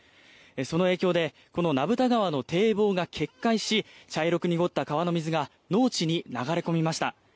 その影響でこの名蓋川の堤防が決壊し茶色く濁った川の水が農地に流れ込みました。